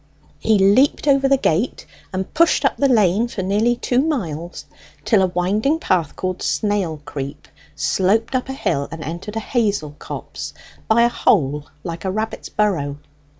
He leaped over the gate, and pushed up the lane for nearly two miles, till a winding path called Snail Creep sloped up a hill and entered a hazel copse by a hole like a rabbit's burrow.